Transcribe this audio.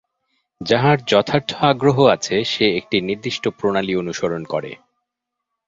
যাহার যথার্থ আগ্রহ আছে, সে একটি নির্দিষ্ট প্রণালী অনুসরণ করে।